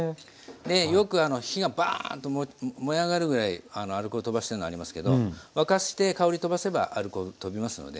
でよく火がバーッと燃え上がるぐらいアルコールとばしてるのありますけど沸かして香りとばせばアルコールとびますので。